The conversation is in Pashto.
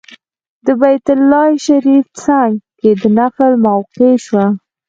د بیت الله شریف څنګ کې د نفل موقع شوه.